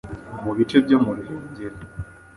mu bice byo mu Ruhengeri.